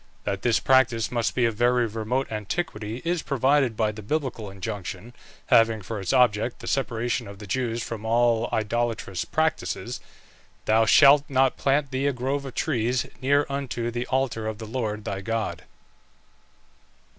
That this practice must be of very remote antiquity is proved by the Biblical injunction, having for its object the separation of the Jews from all idolatrous practices: "Thou shalt not plant thee a grove of trees near unto the altar of the Lord thy God."